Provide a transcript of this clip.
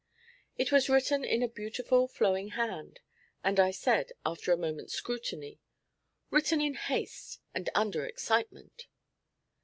It was written in a beautiful flowing hand, and I said, after a moment's scrutiny, 'Written in haste and under excitement.'